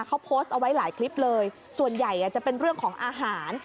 เขาโพสต์เอาไว้หลายคลิปเลยส่วนใหญ่จะเป็นเรื่องของอาหาร